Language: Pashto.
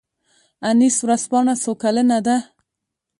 انیس ورځپاڼه څو کلنه ده؟